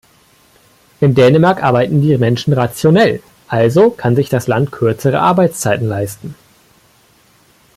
In Dänemark arbeiten die Menschen rationell, also kann sich das Land kürzere Arbeitszeiten leisten.